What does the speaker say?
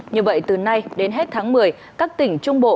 như vậy từ nay đến hết tháng một mươi các tỉnh trung bộ